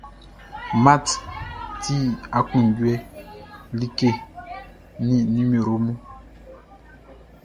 Math ti aklunjuɛ like nin nimero mun.